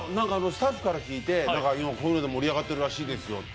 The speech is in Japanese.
スタッフから聞いて、こういうので盛り上がっているらしいですよと。